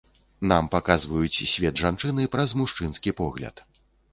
Нам паказваюць свет жанчыны праз мужчынскі погляд.